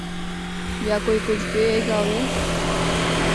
یا کوئی کجھ پئے گیا وے۔